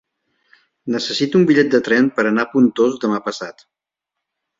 Necessito un bitllet de tren per anar a Pontós demà passat.